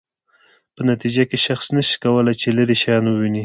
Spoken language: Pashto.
په نتیجه کې شخص نشي کولای چې لیرې شیان وویني.